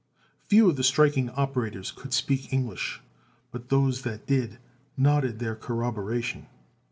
Few of the striking operators could speak English, but those that did nodded their corroboration.